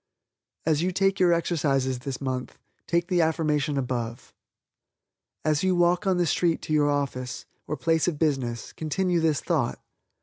As you take your exercises this month, take the affirmation above. As you walk on the street to your office, or place of business, continue this thought.